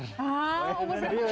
hah umur berapa